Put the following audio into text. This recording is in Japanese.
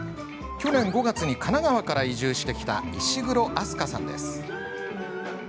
去年５月に神奈川から移住してきた石黒明日香さんです。